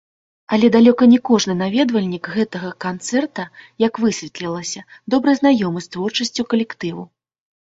Але далёка не кожны наведвальнік гэтага канцэрта, як высветлілася, добра знаёмы з творчасцю калектыву.